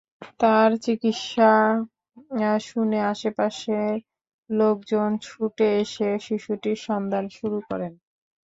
তাঁর চিৎকার শুনে আশপাশের লোকজন ছুটে এসে শিশুটির সন্ধান শুরু করেন।